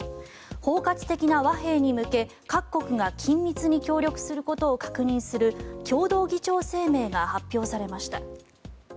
包括的な和平に向け各国が緊密に協力することを確認する共同議長声明が発表されました。